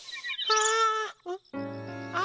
ああ。